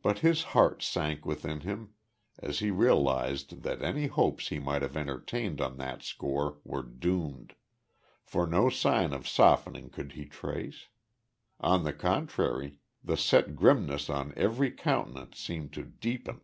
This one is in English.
But his heart sank within him, as he realised that any hopes he might have entertained on that score were doomed; for no sign of softening could he trace. On the contrary, the set grimness on every countenance seemed to deepen.